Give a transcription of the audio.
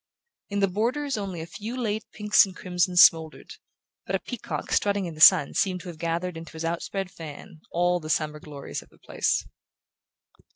In the borders only a few late pinks and crimsons smouldered, but a peacock strutting in the sun seemed to have gathered into his out spread fan all the summer glories of the place.